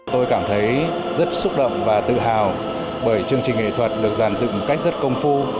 tôi cảm thấy rất xúc động và tự hào bởi chương trình nghệ thuật được giàn dựng một cách rất công phu